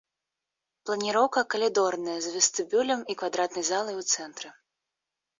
Планіроўка калідорная з вестыбюлем і квадратнай залай у цэнтры.